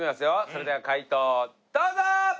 それでは解答どうぞ！